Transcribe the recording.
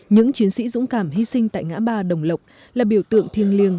những chiến sĩ dũng cảm hy sinh tại ngã ba đồng lộc là biểu tượng thiêng liêng